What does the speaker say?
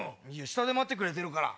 下で待ってくれてるから。